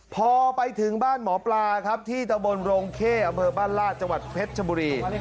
พอไปถึงบ้านหมอปลาครับที่ตะบนโรงเข้อำเภอบ้านลาดจังหวัดเพชรชบุรี